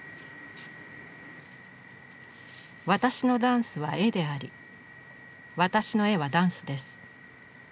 私のダンスは絵であり私の絵はダンスです。